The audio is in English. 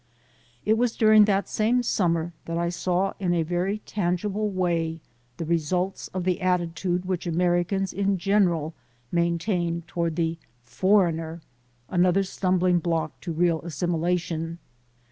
It was during that same summer that I saw in a very tangible way the results of the attitude which Americans in general maintain toward the "for eigner," another stumbling block to real assimila tion.